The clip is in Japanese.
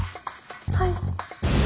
はい。